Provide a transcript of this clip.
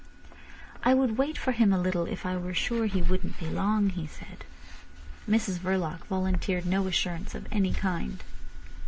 "I would wait for him a little if I were sure he wouldn't be long," he said. Mrs Verloc volunteered no assurance of any kind.